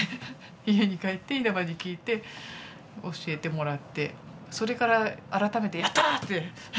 家に帰って稲葉に聞いて教えてもらってそれから改めてヤッター！って。